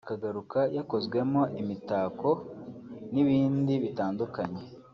akagaruka yakozwemo imitako n’ibindi bitandukanye